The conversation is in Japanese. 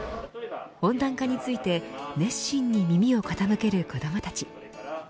温暖化について熱心に耳を傾ける子どもたち。